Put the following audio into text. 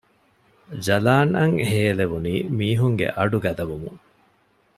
ޖަލާން އަށް ހޭލެވުނީ މީހުންގެ އަޑު ގަދަވުމުން